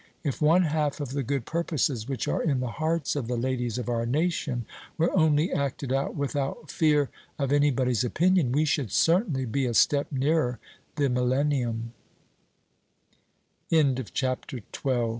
If one half of the good purposes which are in the hearts of the ladies of our nation were only acted out without fear of any body's opinion, we should certainly be a step nearer the millennium. CHRISTMAS; OR, THE GOOD FAIRY. "O, dear!